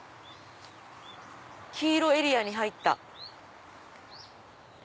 黄色エリアに入った。